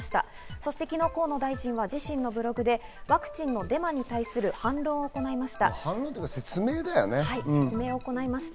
そして昨日、河野大臣は自身のブログでワクチンのデマに対する反論を行いました。